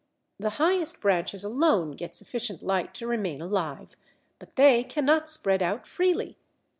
The highest branches alone get sufficient light to remain alive, but they cannot spread out freely.